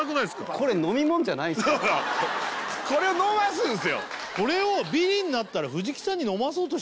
これを飲ますんすよ